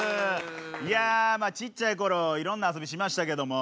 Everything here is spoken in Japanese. いやまあちっちゃい頃いろんな遊びしましたけども。